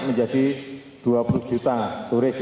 mungkin caranya keyter yembalanced